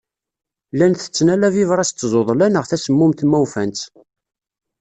Llan tetten ala bibṛas d tzuḍla neɣ tasemmumt ma ufan-tt.